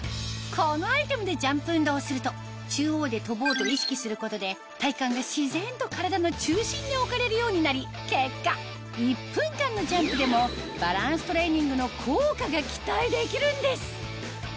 このアイテムでジャンプ運動をすると中央で跳ぼうと意識することで体幹が自然と体の中心に置かれるようになり結果１分間のジャンプでもバランストレーニングの効果が期待できるんです！